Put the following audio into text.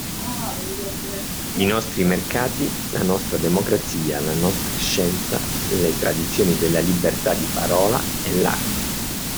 I nostri mercati, la nostra democrazia, la nostra scienza, le tradizioni della libertà di parola, e l'arte.